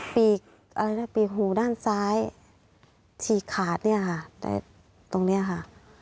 ปีกหูด้านซ้ายชีขาดนี่ค่ะตรงนี้ค่ะ